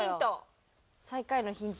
最下位のヒント。